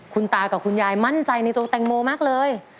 คุณตากับคุณยายมั่นใจในตัวแตงโมมากเลย